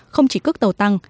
không chỉ cước tàu tăng